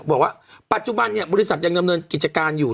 บอกว่าปัจจุบันเนี่ยบริษัทยังดำเนินกิจการอยู่